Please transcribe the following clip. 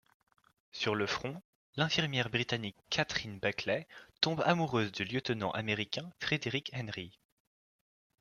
Sur le front, l'infirmière britannique Catherine Bakley tombe amoureuse du lieutenant américain Frédéric Henry.